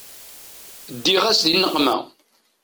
Ddiɣ-as di nneqma.